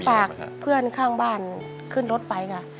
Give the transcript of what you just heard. ฝากเพื่อนข้างบ้านขึ้นรถไปค่ะ